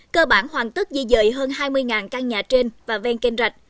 cơ bản hoàn tất di dời hơn hai mươi căn nhà trên và ven kênh rạch